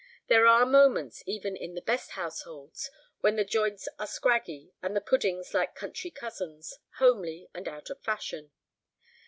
There are moments, even in the best households, when the joints are scraggy, and the puddings like country cousins, homely and out of fashion.